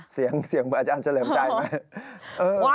เสียงอาจารย์เฉลิมชัยไหม